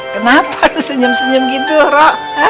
kenapa aku senyum senyum gitu ro